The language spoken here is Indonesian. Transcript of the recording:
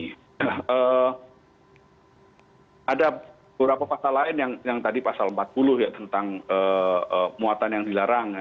ada beberapa pasal lain yang tadi pasal empat puluh ya tentang muatan yang dilarang